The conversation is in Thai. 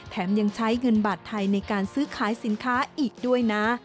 ยังใช้เงินบาทไทยในการซื้อขายสินค้าอีกด้วยนะ